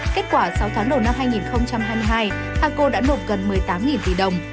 kết quả sáu tháng đầu năm hai nghìn hai mươi hai paco đã nộp gần một mươi tám tỷ đồng